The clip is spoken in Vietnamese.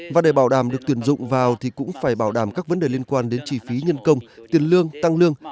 và để bảo đảm được tuyển dụng vào thì cũng phải bảo đảm các vấn đề liên quan đến chi phí nhân công tiền lương tăng lương